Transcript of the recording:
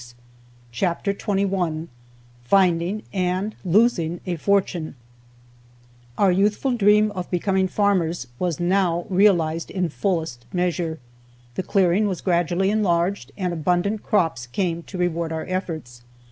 ] CHAPTER TWENTY ONE FINDING AND LOSING A FORTUNE OUR youthful dream of becoming farmers was now realized in fullest measure. The clearing was gradually enlarged, and abundant crops came to reward our efforts.